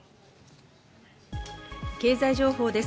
経済情報です。